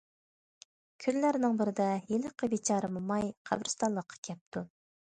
كۈنلەرنىڭ بىرىدە ھېلىقى« بىچارە موماي» قەبرىستانلىققا كەپتۇ.